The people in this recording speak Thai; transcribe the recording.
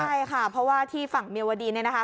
ใช่ค่ะเพราะว่าที่ฝั่งเมียวดีนเนี่ยนะคะ